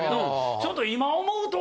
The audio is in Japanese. ちょっと。